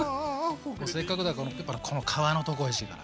せっかくだからやっぱりこの皮のとこおいしいから。